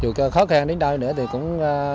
chủ cơ khó khăn đến đâu nữa thì cũng